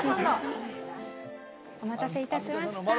お待たせいたしました。